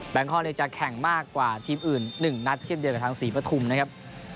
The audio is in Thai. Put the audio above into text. งคอกจะแข่งมากกว่าทีมอื่น๑นัดเช่นเดียวกับทางศรีปฐุมนะครับ